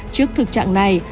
trước thực trạng này